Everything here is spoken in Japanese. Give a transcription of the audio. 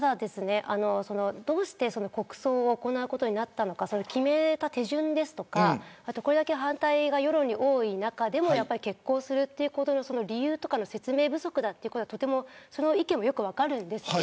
どうして国葬を行うことになったのか決めた手順とかこれだけ反対が世論に多い中でも決行するということの理由とかの説明不足だという意見もよく分かるんです。